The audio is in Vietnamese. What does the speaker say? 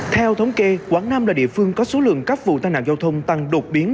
theo thống kê quảng nam là địa phương có số lượng các vụ tai nạn giao thông tăng đột biến